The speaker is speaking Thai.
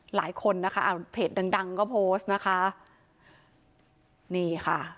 หลายคนนะคะเปลวดดังดดังก็โพสต์นะคะ